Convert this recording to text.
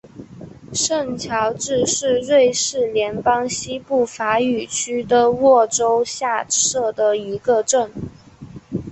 圣乔治是瑞士联邦西部法语区的沃州下设的一个镇。